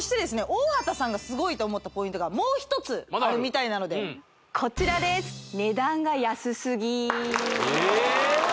大畑さんがすごいと思ったポイントがもう一つあるみたいなのでこちらですえ！